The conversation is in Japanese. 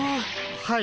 はい。